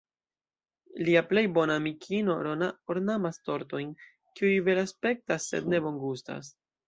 Lia plej bona amikino Rona ornamas tortojn, kiuj belaspektas sed ne bongustas.